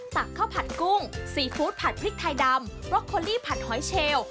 ตักข้าวผัดกุ้งซีฟู้ดผัดพริกไทยดำร็อกโคลี่ผัดหอยเชล